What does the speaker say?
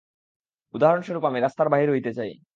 উদাহরণস্বরূপ আমি রাস্তায় বাহির হইতে চাই।